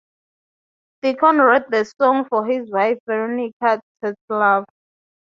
Deacon wrote the song for his wife, Veronica Tetzlaff.